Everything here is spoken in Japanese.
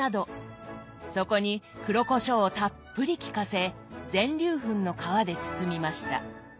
そこに黒こしょうをたっぷり効かせ全粒粉の皮で包みました。